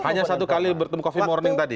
hanya satu kali bertemu coffee morning tadi